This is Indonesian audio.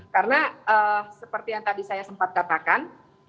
karena seperti yang tadi saya sempat katakan